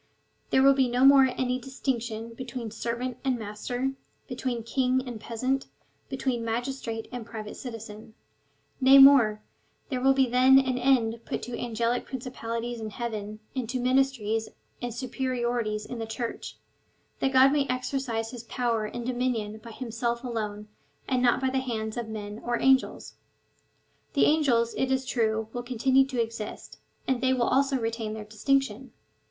There will be no more any distinction between ser vant and master, between king and peasant, between magis trate and private citizen. Nay more, there will be then an end put to angelic principalities in heaven, and to ministries and superiorities in the Church, that God may exercise his power and dominion by himself alone, and not by the hands of men or angels. The angels, it is true, will continue to exist, and they w^ill also retain their distinction.